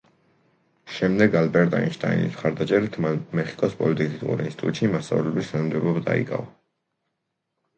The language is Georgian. შემდეგ, ალბერტ აინშტაინის მხარდაჭერით, მან მეხიკოს პოლიტექნიკურ ინსტიტუტში მასწავლებლის თანამდებობა დაიკავა.